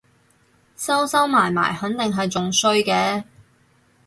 收收埋埋肯定係仲衰嘅